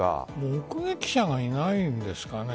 目撃者がいないんですかね。